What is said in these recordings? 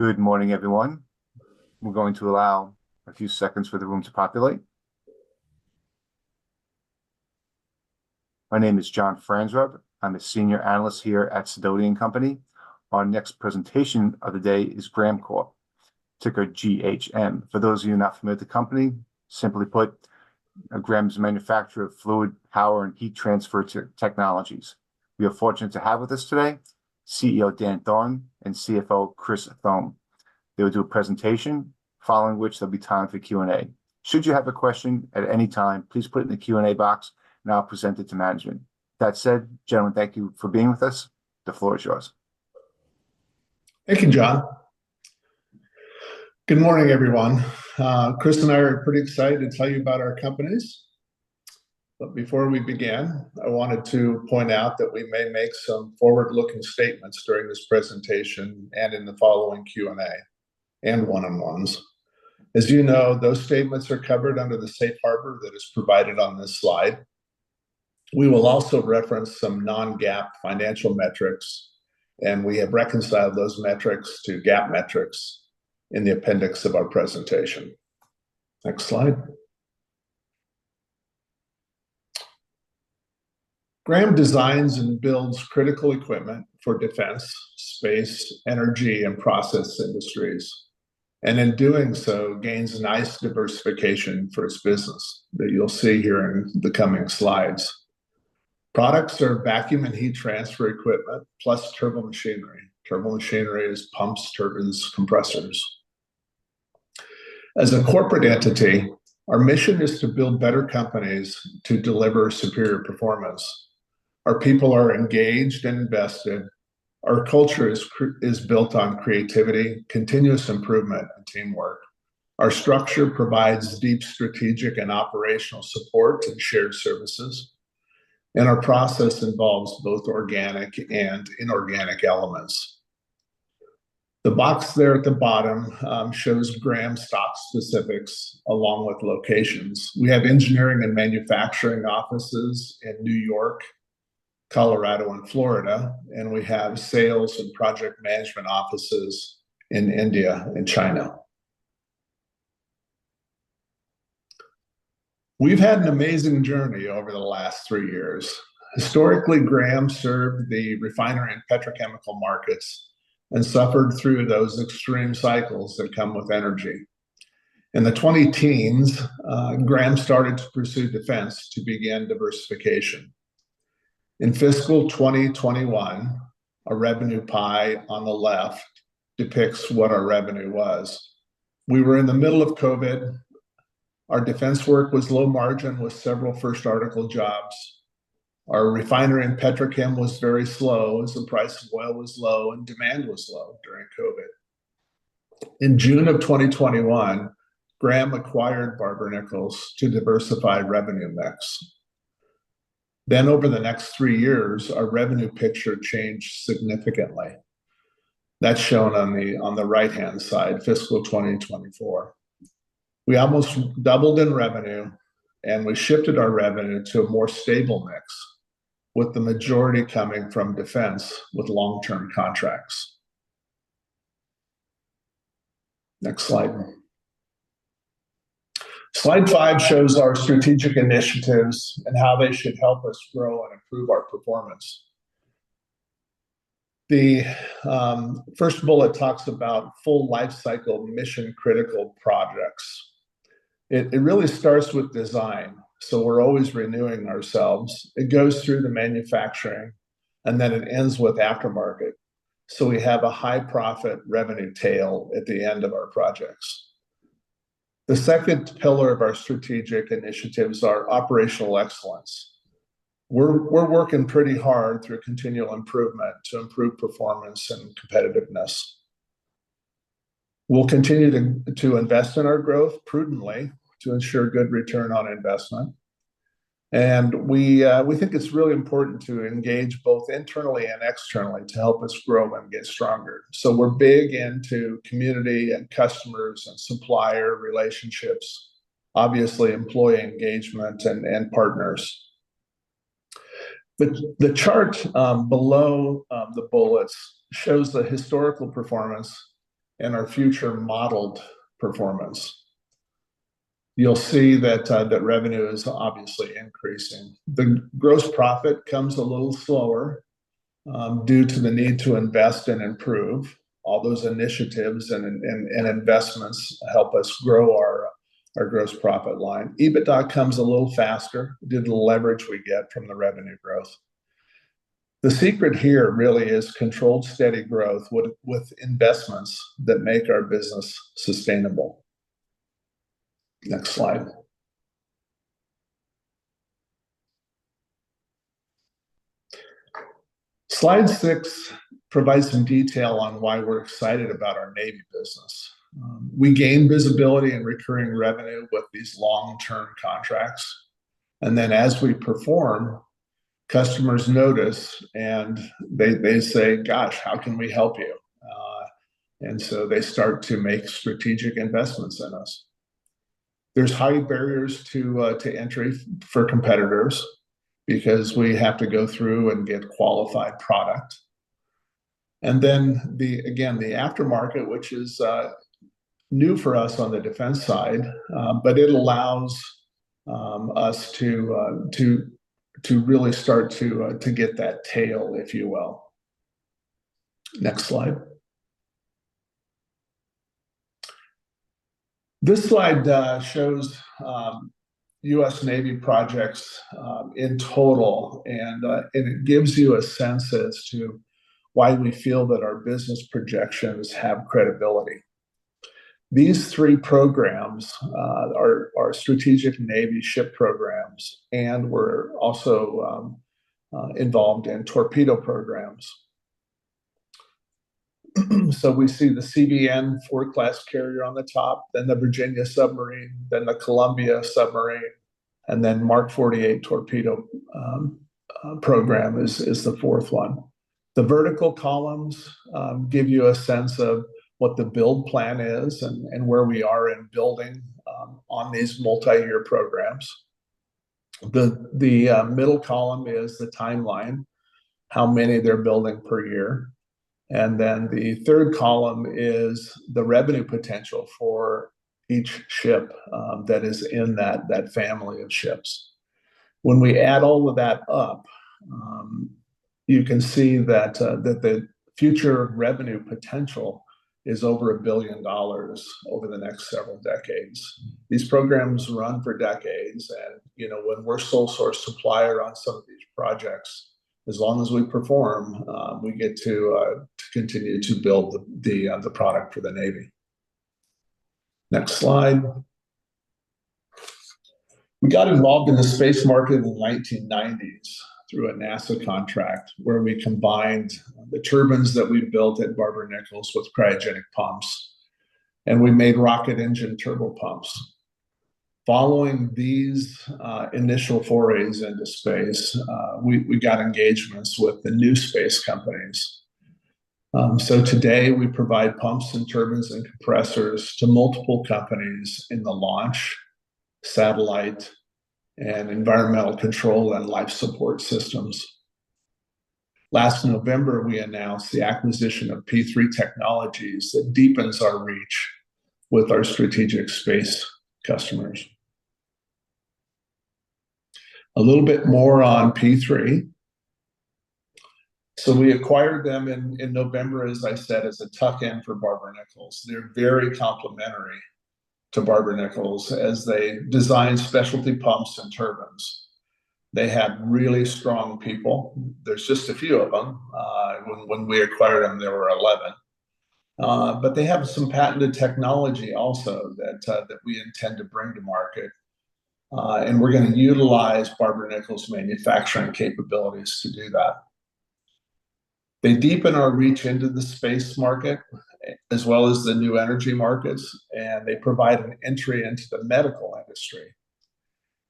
Good morning, everyone. We're going to allow a few seconds for the room to populate. My name is John Franzreb. I'm a Senior Analyst here at Sidoti & Company. Our next presentation of the day is Graham Corp, ticker GHM. For those of you not familiar with the company, simply put, Graham is a manufacturer of fluid, power, and heat transfer technologies. We are fortunate to have with us today CEO Dan Thoren and CFO Chris Thome. They will do a presentation, following which there'll be time for Q&A. Should you have a question at any time, please put it in the Q&A box and I'll present it to management. That said, gentlemen, thank you for being with us. The floor is yours. Thank you, John. Good morning, everyone. Chris and I are pretty excited to tell you about our companies. But before we begin, I wanted to point out that we may make some forward-looking statements during this presentation and in the following Q&A, and one-on-ones. As you know, those statements are covered under the safe harbor that is provided on this slide. We will also reference some non-GAAP financial metrics, and we have reconciled those metrics to GAAP metrics in the appendix of our presentation. Next slide. Graham designs and builds critical equipment for defense, space, energy, and process industries, and in doing so, gains a nice diversification for its business that you'll see here in the coming slides. Products are vacuum and heat transfer equipment, plus turbomachinery. Turbomachinery is pumps, turbines, compressors. As a corporate entity, our mission is to build better companies to deliver superior performance. Our people are engaged and invested. Our culture is built on creativity, continuous improvement, and teamwork. Our structure provides deep strategic and operational support and shared services, and our process involves both organic and inorganic elements. The box there at the bottom shows Graham's stock specifics along with locations. We have engineering and manufacturing offices in New York, Colorado, and Florida, and we have sales and project management offices in India and China. We've had an amazing journey over the last three years. Historically, Graham served the refinery and petrochemical markets and suffered through those extreme cycles that come with energy. In the twenty-teens, Graham started to pursue defense to begin diversification. In fiscal 2021, a revenue pie on the left depicts what our revenue was. We were in the middle of COVID. Our defense work was low margin, with several first article jobs. Our refinery and petrochem was very slow as the price of oil was low and demand was low during COVID. In June of 2021, Graham acquired Barber-Nichols to diversify revenue mix. Then, over the next three years, our revenue picture changed significantly. That's shown on the right-hand side, fiscal 2024. We almost doubled in revenue, and we shifted our revenue to a more stable mix, with the majority coming from defense with long-term contracts. Next slide. Slide five shows our strategic initiatives and how they should help us grow and improve our performance. The first bullet talks about full lifecycle mission-critical projects. It really starts with design, so we're always renewing ourselves. It goes through the manufacturing, and then it ends with aftermarket, so we have a high-profit revenue tail at the end of our projects. The second pillar of our strategic initiatives are operational excellence. We're working pretty hard through continual improvement to improve performance and competitiveness. We'll continue to invest in our growth prudently to ensure good return on investment. And we think it's really important to engage both internally and externally to help us grow and get stronger. So we're big into community and customers and supplier relationships, obviously employee engagement and partners. The chart below the bullets shows the historical performance and our future modeled performance. You'll see that revenue is obviously increasing. The gross profit comes a little slower due to the need to invest and improve. All those initiatives and investments help us grow our gross profit line. EBITDA comes a little faster due to the leverage we get from the revenue growth. The secret here really is controlled, steady growth with investments that make our business sustainable. Next slide. Slide 6 provides some detail on why we're excited about our Navy business. We gain visibility and recurring revenue with these long-term contracts, and then as we perform, customers notice, and they say, "Gosh, how can we help you?" And so they start to make strategic investments in us. There's high barriers to entry for competitors because we have to go through and get qualified product. And then, again, the aftermarket, which is new for us on the defense side, but it allows us to really start to get that tail, if you will. Next slide. This slide shows U.S. Navy projects in total, and it gives you a sense as to why we feel that our business projections have credibility. These three programs are strategic Navy ship programs, and we're also involved in torpedo programs. So we see the CVN Ford class carrier on the top, then the Virginia submarine, then the Columbia submarine, and then Mark 48 torpedo program is the fourth one. The vertical columns give you a sense of what the build plan is and where we are in building on these multi-year programs. The middle column is the timeline, how many they're building per year, and then the third column is the revenue potential for each ship that is in that family of ships. When we add all of that up, you can see that that the future revenue potential is over $1 billion over the next several decades. These programs run for decades and, you know, when we're sole source supplier on some of these projects, as long as we perform, we get to to continue to build the the the product for the Navy. Next slide. We got involved in the space market in the 1990s through a NASA contract, where we combined the turbines that we built at Barber-Nichols with cryogenic pumps, and we made rocket engine turbopumps. Following these initial forays into space, we got engagements with the new space companies. So today we provide pumps and turbines and compressors to multiple companies in the launch, satellite, and environmental control, and life support systems. Last November, we announced the acquisition of P3 Technologies that deepens our reach with our strategic space customers. A little bit more on P3. So we acquired them in November, as I said, as a tuck-in for Barber-Nichols. They're very complementary to Barber-Nichols as they design specialty pumps and turbines. They have really strong people. There's just a few of them. When we acquired them, there were 11. But they have some patented technology also that we intend to bring to market, and we're gonna utilize Barber-Nichols' manufacturing capabilities to do that. They deepen our reach into the space market, as well as the new energy markets, and they provide an entry into the medical industry.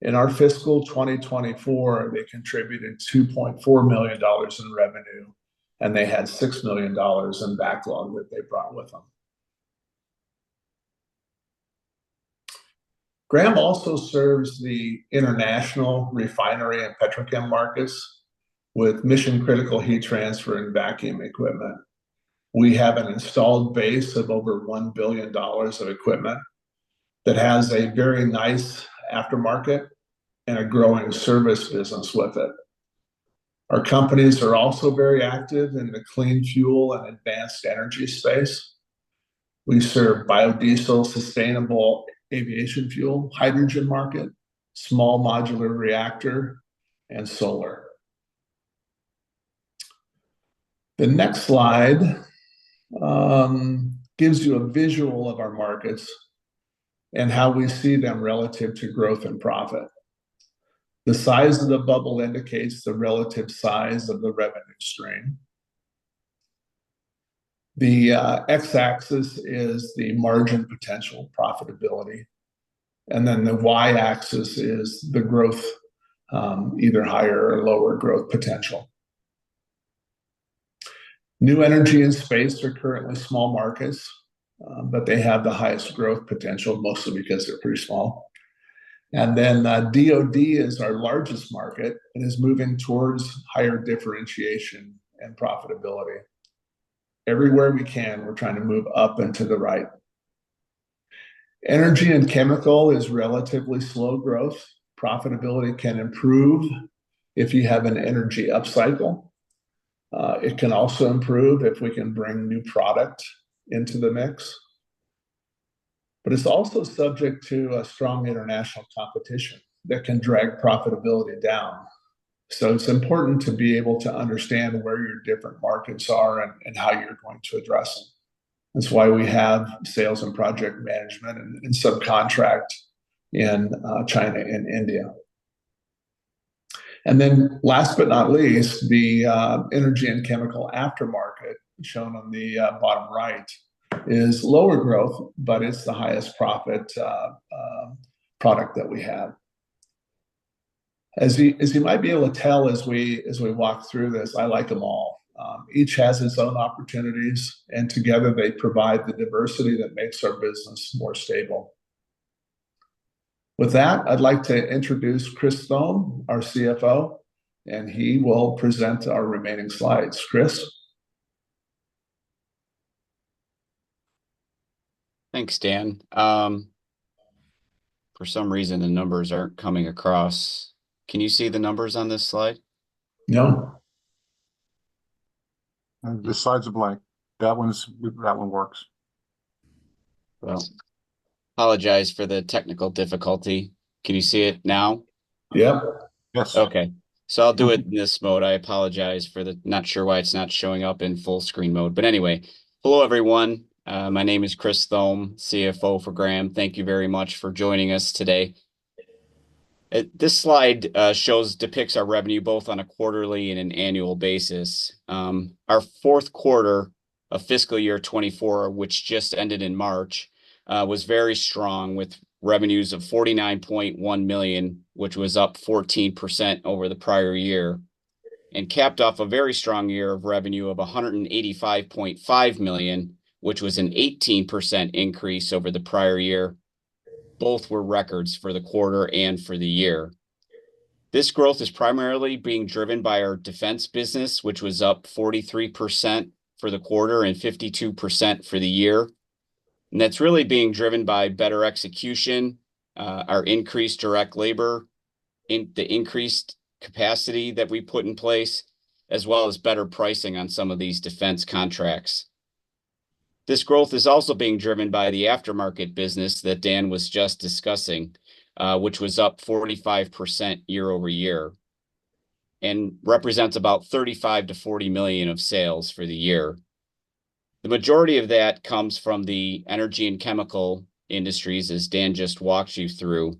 In our fiscal 2024, they contributed $2.4 million in revenue, and they had $6 million in backlog that they brought with them. Graham also serves the international refinery and petrochem markets with mission-critical heat transfer and vacuum equipment. We have an installed base of over $1 billion of equipment that has a very nice aftermarket and a growing service business with it. Our companies are also very active in the clean fuel and advanced energy space. We serve biodiesel, sustainable aviation fuel, hydrogen market, small modular reactor, and solar. The next slide gives you a visual of our markets and how we see them relative to growth and profit. The size of the bubble indicates the relative size of the revenue stream. The X-axis is the margin potential profitability, and then the Y-axis is the growth either higher or lower growth potential. New energy and space are currently small markets but they have the highest growth potential, mostly because they're pretty small. And then, DoD is our largest market and is moving towards higher differentiation and profitability. Everywhere we can, we're trying to move up and to the right. Energy and chemical is relatively slow growth. Profitability can improve if you have an energy upcycle. It can also improve if we can bring new product into the mix, but it's also subject to a strong international competition that can drag profitability down. So it's important to be able to understand where your different markets are and how you're going to address them. That's why we have sales and project management and subcontract in China and India. And then last but not least, the energy and chemical aftermarket, shown on the bottom right, is lower growth, but it's the highest profit product that we have. As you might be able to tell as we walk through this, I like them all. Each has its own opportunities, and together they provide the diversity that makes our business more stable. With that, I'd like to introduce Chris Thome, our CFO, and he will present our remaining slides. Chris? Thanks, Dan. For some reason, the numbers aren't coming across. Can you see the numbers on this slide? No. The slides are blank. That one works. Well, apologize for the technical difficulty. Can you see it now? Yeah. Yes. Okay. So I'll do it in this mode. I apologize. Not sure why it's not showing up in full screen mode, but anyway. Hello, everyone. My name is Chris Thome, CFO for Graham. Thank you very much for joining us today. This slide shows, depicts our revenue both on a quarterly and an annual basis. Our fourth quarter of fiscal year 2024, which just ended in March, was very strong, with revenues of $49.1 million, which was up 14% over the prior year, and capped off a very strong year of revenue of $185.5 million, which was an 18% increase over the prior year. Both were records for the quarter and for the year. This growth is primarily being driven by our defense business, which was up 43% for the quarter and 52% for the year. And that's really being driven by better execution, our increased direct labor, in the increased capacity that we put in place, as well as better pricing on some of these defense contracts. This growth is also being driven by the aftermarket business that Dan was just discussing, which was up 45% year-over-year and represents about $35 million-$40 million of sales for the year. The majority of that comes from the energy and chemical industries, as Dan just walked you through.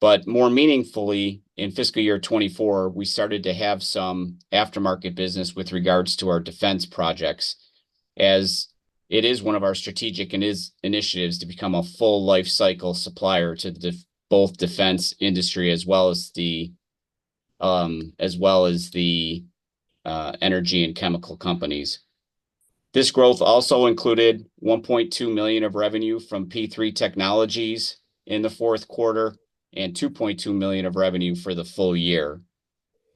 But more meaningfully, in fiscal year 2024, we started to have some aftermarket business with regards to our defense projects, as it is one of our strategic initiatives to become a full life cycle supplier to both defense industry as well as the energy and chemical companies. This growth also included $1.2 million of revenue from P3 Technologies in the fourth quarter and $2.2 million of revenue for the full year.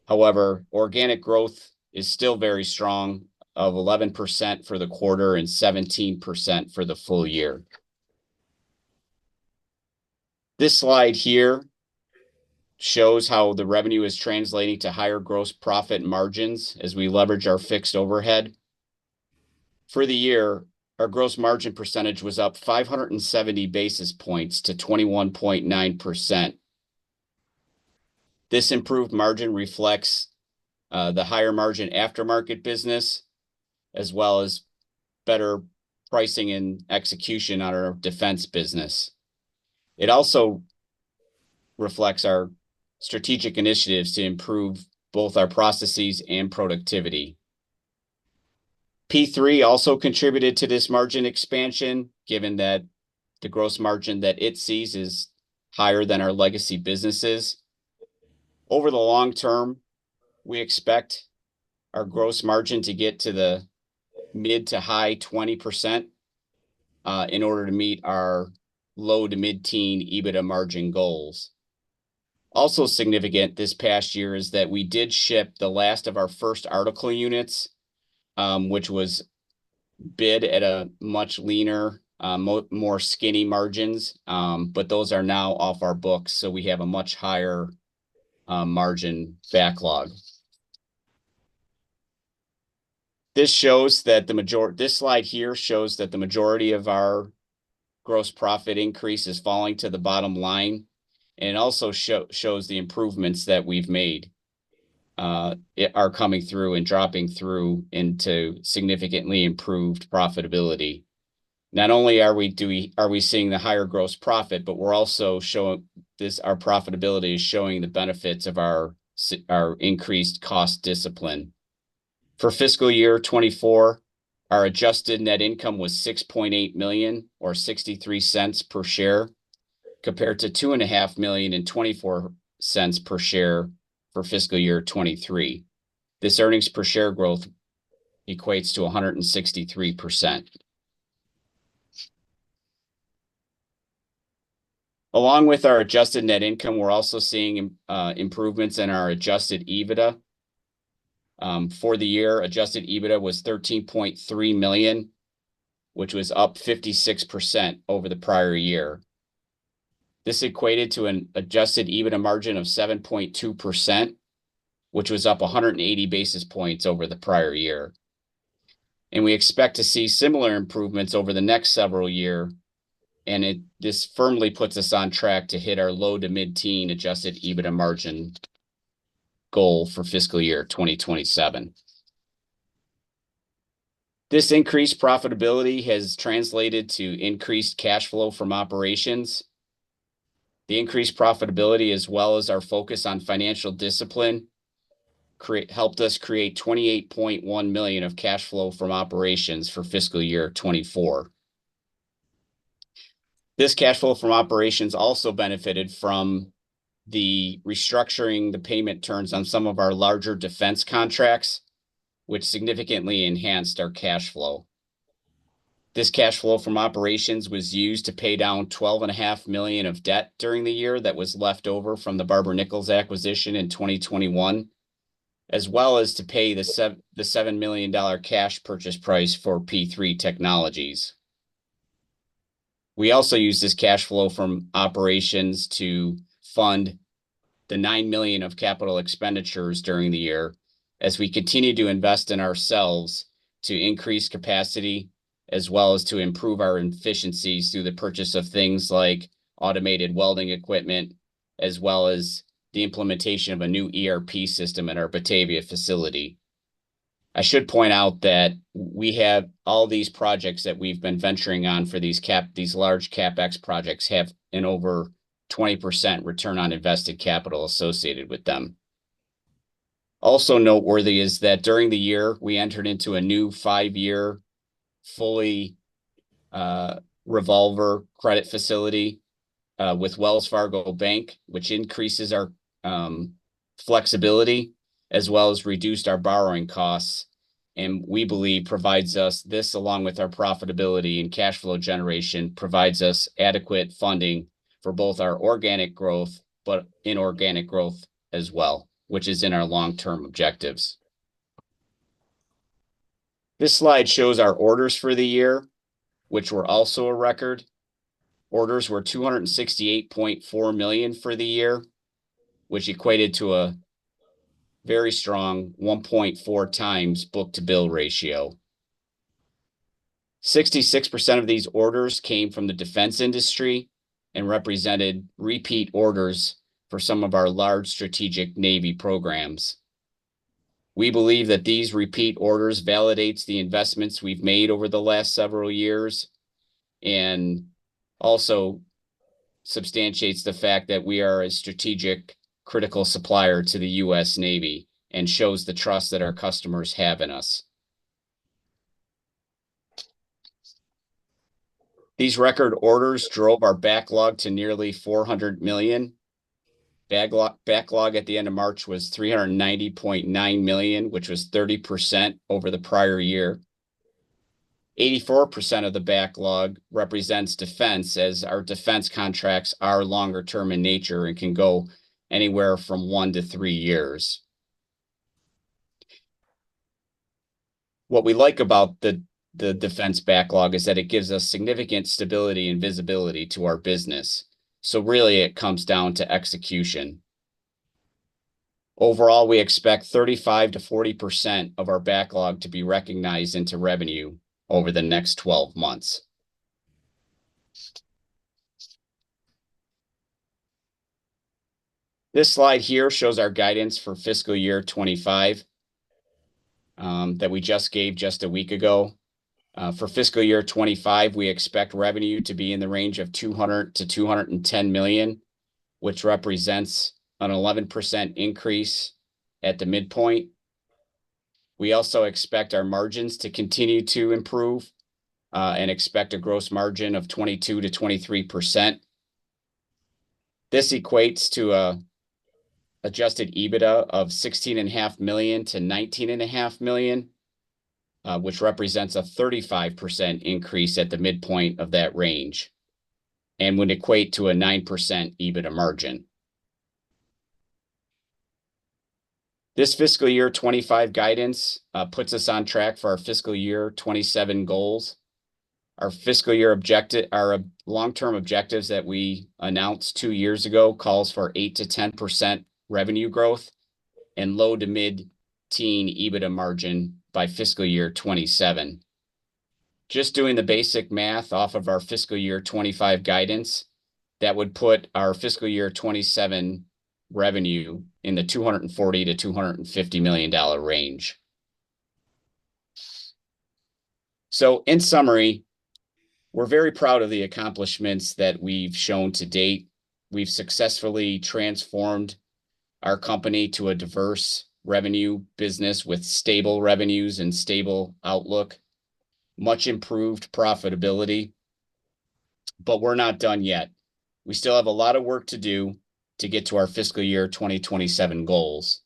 However, organic growth is still very strong, of 11% for the quarter and 17% for the full year. This slide here shows how the revenue is translating to higher gross profit margins as we leverage our fixed overhead. For the year, our gross margin percentage was up 570 basis points to 21.9%. This improved margin reflects the higher margin aftermarket business, as well as better pricing and execution on our defense business. It also reflects our strategic initiatives to improve both our processes and productivity. P3 also contributed to this margin expansion, given that the gross margin that it sees is higher than our legacy businesses. Over the long term, we expect our gross margin to get to the mid- to high-20%, in order to meet our low- to mid-teens EBITDA margin goals. Also significant this past year is that we did ship the last of our first article units, which was bid at a much leaner, more skinny margins. But those are now off our books, so we have a much higher margin backlog. This shows that the majority. This slide here shows that the majority of our gross profit increase is falling to the bottom line, and it also shows the improvements that we've made are coming through and dropping through into significantly improved profitability. Not only are we seeing the higher gross profit, but our profitability is showing the benefits of our increased cost discipline. For fiscal year 2024, our adjusted net income was $6.8 million, or $0.63 per share, compared to $2.5 million and $0.24 per share for fiscal year 2023. This earnings per share growth equates to 163%. Along with our adjusted net income, we're also seeing improvements in our adjusted EBITDA. For the year, adjusted EBITDA was $13.3 million, which was up 56% over the prior year. This equated to an adjusted EBITDA margin of 7.2%, which was up 180 basis points over the prior year. And we expect to see similar improvements over the next several year, and this firmly puts us on track to hit our low to mid-teen adjusted EBITDA margin goal for fiscal year 2027. This increased profitability has translated to increased cash flow from operations. The increased profitability, as well as our focus on financial discipline, helped us create $28.1 million of cash flow from operations for fiscal year 2024. This cash flow from operations also benefited from the restructuring the payment terms on some of our larger defense contracts, which significantly enhanced our cash flow. This cash flow from operations was used to pay down $12.5 million of debt during the year that was left over from the Barber-Nichols acquisition in 2021, as well as to pay the $7 million cash purchase price for P3 Technologies. We also used this cash flow from operations to fund the $9 million of capital expenditures during the year, as we continue to invest in ourselves to increase capacity, as well as to improve our efficiencies through the purchase of things like automated welding equipment, as well as the implementation of a new ERP system in our Batavia facility. I should point out that we have all these projects that we've been venturing on for these large CapEx projects have an over 20% return on invested capital associated with them. Also noteworthy is that during the year, we entered into a new five-year, fully, revolver credit facility with Wells Fargo Bank, which increases our flexibility, as well as reduced our borrowing costs, and we believe provides us, this, along with our profitability and cash flow generation, provides us adequate funding for both our organic growth, but inorganic growth as well, which is in our long-term objectives. This slide shows our orders for the year, which were also a record. Orders were $268.4 million for the year, which equated to a very strong 1.4 times book-to-bill ratio. 66% of these orders came from the defense industry and represented repeat orders for some of our large strategic Navy programs. We believe that these repeat orders validates the investments we've made over the last several years, and also substantiates the fact that we are a strategic, critical supplier to the U.S. Navy, and shows the trust that our customers have in us. These record orders drove our backlog to nearly $400 million. Backlog at the end of March was $390.9 million, which was 30% over the prior year. 84% of the backlog represents defense, as our defense contracts are longer term in nature and can go anywhere from one to three years. What we like about the defense backlog is that it gives us significant stability and visibility to our business, so really it comes down to execution. Overall, we expect 35%-40% of our backlog to be recognized into revenue over the next 12 months. This slide here shows our guidance for fiscal year 2025, that we just gave just a week ago. For fiscal year 2025, we expect revenue to be in the range of $200 million-$210 million, which represents an 11% increase at the midpoint. We also expect our margins to continue to improve, and expect a gross margin of 22%-23%. This equates to an adjusted EBITDA of $16.5 million-$19.5 million, which represents a 35% increase at the midpoint of that range, and would equate to a 9% EBITDA margin. This fiscal year 2025 guidance puts us on track for our fiscal year 2027 goals. Our long-term objectives that we announced two years ago calls for 8%-10% revenue growth and low to mid-teen EBITDA margin by fiscal year 2027. Just doing the basic math off of our fiscal year 2025 guidance, that would put our fiscal year 2027 revenue in the $240 million-$250 million range. So in summary, we're very proud of the accomplishments that we've shown to date. We've successfully transformed our company to a diverse revenue business with stable revenues and stable outlook, much improved profitability, but we're not done yet. We still have a lot of work to do to get to our fiscal year 2027 goals,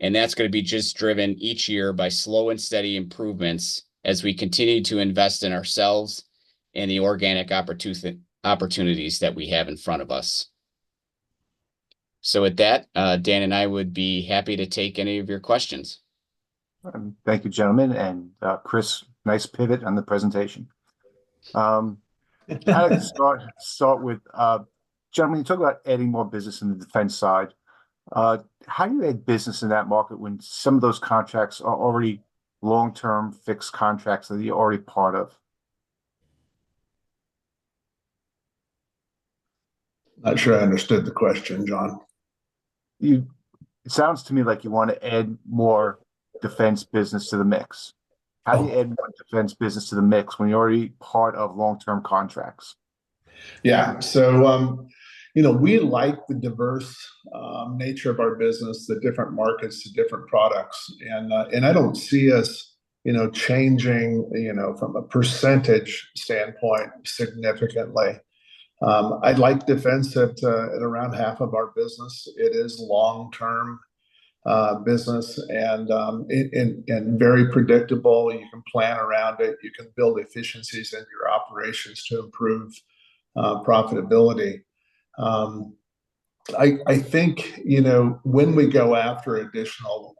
and that's gonna be just driven each year by slow and steady improvements as we continue to invest in ourselves and the organic opportunities that we have in front of us. So with that, Dan and I would be happy to take any of your questions. Thank you, gentlemen, and Chris, nice pivot on the presentation. I'll start with. Gentlemen, you talk about adding more business in the defense side. How do you add business in that market when some of those contracts are already long-term fixed contracts that you're already part of? Not sure I understood the question, John. It sounds to me like you want to add more defense business to the mix. Oh. How do you add more defense business to the mix when you're already part of long-term contracts? Yeah. So, you know, we like the diverse nature of our business, the different markets, the different products, and I don't see us. You know, changing, you know, from a percentage standpoint significantly. I'd like defense at around half of our business. It is long-term business, and very predictable, and you can plan around it. You can build efficiencies into your operations to improve profitability. I think, you know, when we go after additional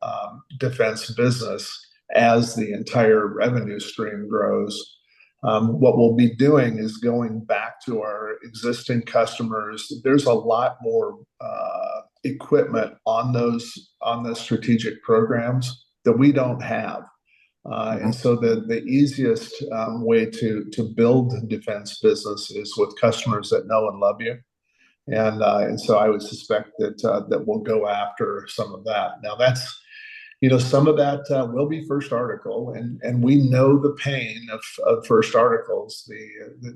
defense business as the entire revenue stream grows, what we'll be doing is going back to our existing customers. There's a lot more equipment on those, on the strategic programs that we don't have. And so the easiest way to build the defense business is with customers that know and love you, and so I would suspect that we'll go after some of that. Now, that's you know, some of that will be first article, and we know the pain of first articles.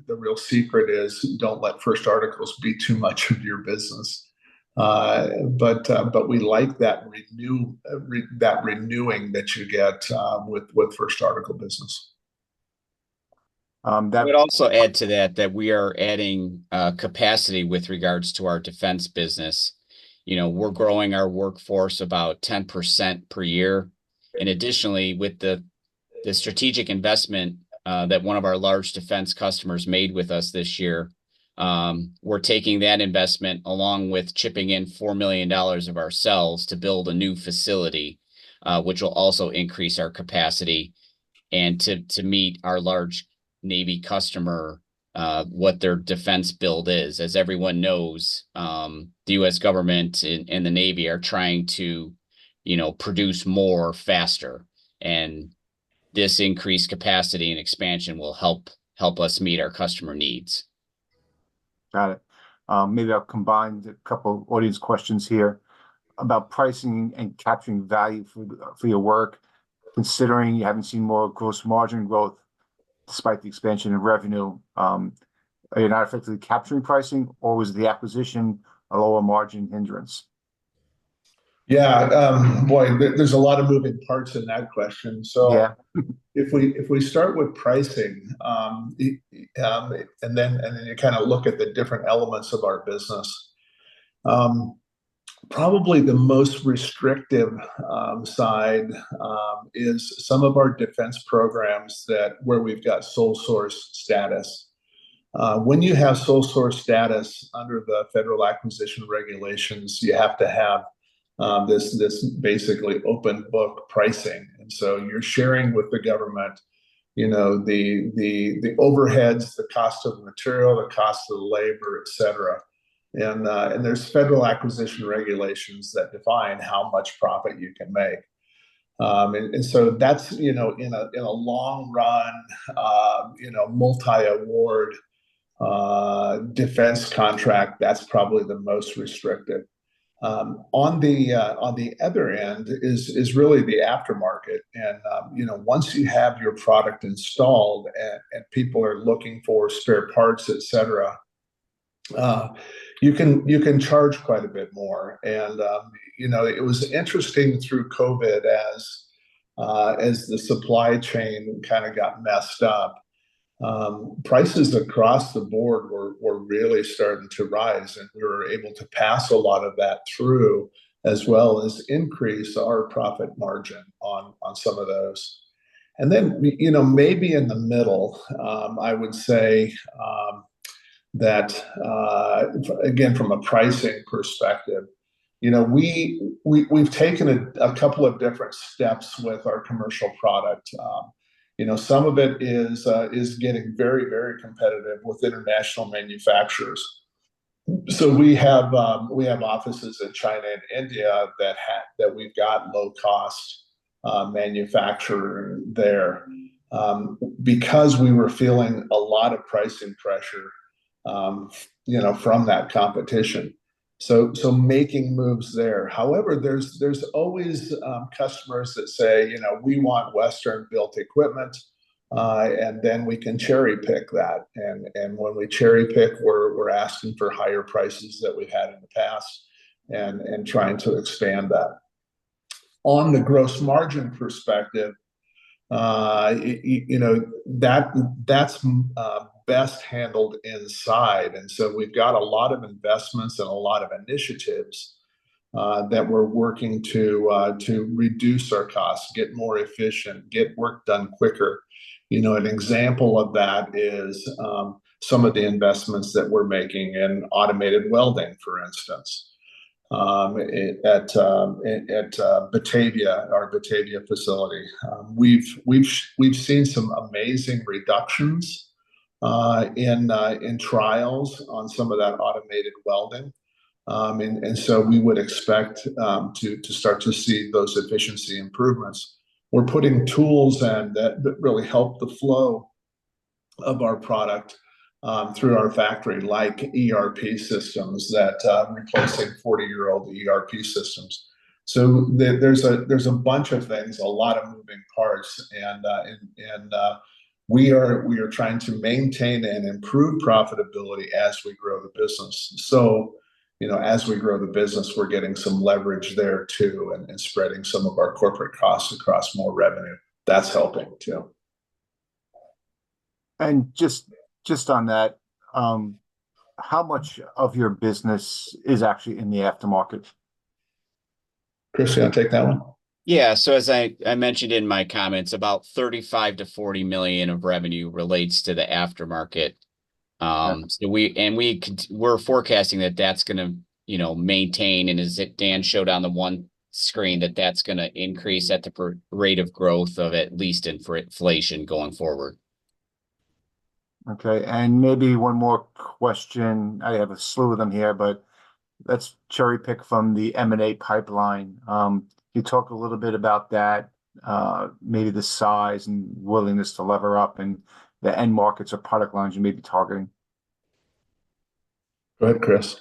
The real secret is don't let first articles be too much of your business. But we like that renewing that you get with first article business. I would also add to that, that we are adding capacity with regards to our defense business. You know, we're growing our workforce about 10% per year, and additionally, with the strategic investment that one of our large defense customers made with us this year, we're taking that investment, along with chipping in $4 million of ourselves, to build a new facility, which will also increase our capacity and to meet our large Navy customer what their defense build is. As everyone knows, the U.S. government and the Navy are trying to, you know, produce more faster, and this increased capacity and expansion will help us meet our customer needs. Got it. Maybe I'll combine a couple audience questions here about pricing and capturing value for, for your work. Considering you haven't seen more gross margin growth despite the expansion of revenue, are you not effectively capturing pricing, or was the acquisition a lower-margin hindrance? Yeah. Boy, there, there's a lot of moving parts in that question. Yeah. So if we start with pricing. And then you kind of look at the different elements of our business, probably the most restrictive side is some of our defense programs that where we've got sole source status. When you have sole source status under the Federal Acquisition Regulations, you have to have this basically open-book pricing, and so you're sharing with the government, you know, the overheads, the cost of the material, the cost of the labor, et cetera. And there's Federal Acquisition Regulations that define how much profit you can make. And so that's, you know, in a long run, you know, multi-award defense contract, that's probably the most restricted. On the other end is really the aftermarket, and, you know, once you have your product installed and people are looking for spare parts, et cetera, you can charge quite a bit more. And, you know, it was interesting through COVID as the supply chain kinda got messed up, prices across the board were really starting to rise, and we were able to pass a lot of that through, as well as increase our profit margin on some of those. And then, you know, maybe in the middle, I would say, again, from a pricing perspective, you know, we, we've taken a couple of different steps with our commercial product. You know, some of it is getting very competitive with international manufacturers. So we have offices in China and India that we've got low-cost manufacture there, because we were feeling a lot of pricing pressure, you know, from that competition, so making moves there. However, there's always customers that say, "You know, we want Western-built equipment," and then we can cherry-pick that, and when we cherry-pick, we're asking for higher prices than we've had in the past and trying to expand that. On the gross margin perspective, you know, that's best handled inside, and so we've got a lot of investments and a lot of initiatives that we're working to reduce our costs, get more efficient, get work done quicker. You know, an example of that is some of the investments that we're making in automated welding, for instance, at Batavia, our Batavia facility. We've seen some amazing reductions in trials on some of that automated welding, and so we would expect to start to see those efficiency improvements. We're putting tools in that really help the flow of our product through our factory, like ERP systems that replacing 40-year-old ERP systems. So there's a bunch of things, a lot of moving parts, and we are trying to maintain and improve profitability as we grow the business. So, you know, as we grow the business, we're getting some leverage there, too, and spreading some of our corporate costs across more revenue. That's helping, too. Just on that, how much of your business is actually in the aftermarket? Chris, you wanna take that one? Yeah, so as I mentioned in my comments, about $35 million-$40 million of revenue relates to the aftermarket. Okay. So we're forecasting that that's gonna, you know, maintain, and as Dan showed on the one screen, that's gonna increase at the rate of growth of at least inflation going forward. Okay, and maybe one more question. I have a slew of them here, but let's cherry-pick from the M&A pipeline. Can you talk a little bit about that, maybe the size and willingness to lever up, and the end markets or product lines you may be targeting? Go ahead, Chris.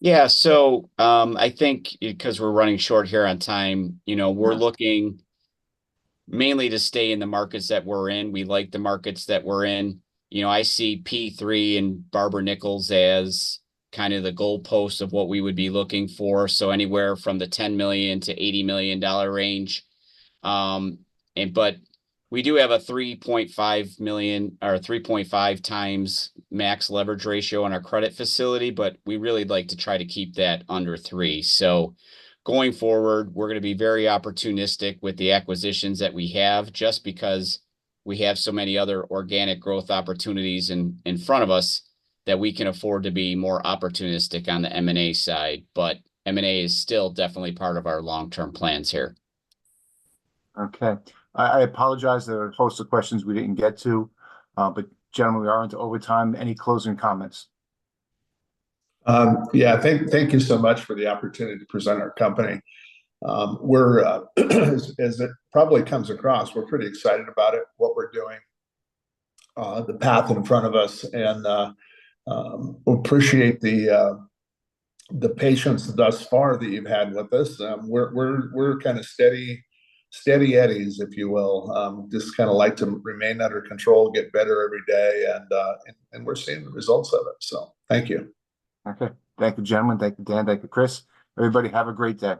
Yeah, so, I think, 'cause we're running short here on time, you know. Yeah We're looking mainly to stay in the markets that we're in. We like the markets that we're in. You know, I see P3 and Barber-Nichols as kind of the goalpost of what we would be looking for, so anywhere from the $10 million-$80 million range. But we do have a 3.5x max leverage ratio on our credit facility, but we really'd like to try to keep that under three. So going forward, we're gonna be very opportunistic with the acquisitions that we have, just because we have so many other organic growth opportunities in front of us, that we can afford to be more opportunistic on the M&A side. But M&A is still definitely part of our long-term plans here. Okay. I apologize, there are a host of questions we didn't get to, but gentlemen, we are into overtime. Any closing comments? Yeah. Thank you so much for the opportunity to present our company. As it probably comes across, we're pretty excited about it, what we're doing, the path in front of us, and appreciate the patience thus far that you've had with us. We're kinda steady Eddies, if you will. Just kinda like to remain under control, get better every day, and we're seeing the results of it, so thank you. Okay. Thank you, gentlemen. Thank you, Dan, thank you, Chris. Everybody, have a great day.